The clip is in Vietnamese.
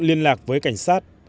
liên lạc với cảnh sát